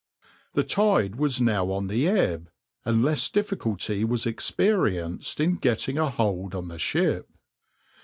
The tide was now on the ebb, and less difficulty was experienced in getting a hold on the ship.